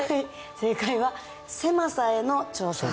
正解は狭さへの挑戦です。